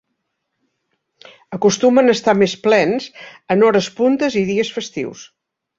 Acostumen a estar més plens en hores puntes i dies festius.